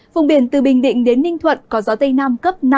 vùng biển từ bình định đến ninh thuận có gió tây nam cấp năm